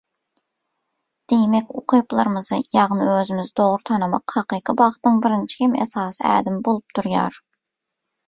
Diýmek ukyplarymyzy ýagny özümizi dogry tanamak hakyky bagtyň birinji hem esasy ädimi bolup durýar.